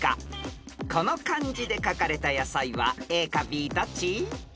［この漢字で書かれた野菜はＡかＢどっち？］